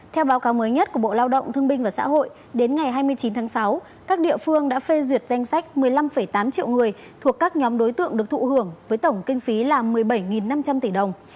theo báo cáo mới nhất của bộ lao động thương binh và xã hội đến ngày hai mươi chín tháng sáu các địa phương đã phê duyệt danh sách một mươi năm tám triệu người thuộc các nhóm đối tượng được thụ hưởng với tổng kinh phí là một mươi bảy năm trăm linh tỷ đồng